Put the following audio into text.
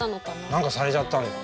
何かされちゃったのよ。